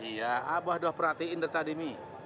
iya abah doh perhatiin deh tadi mi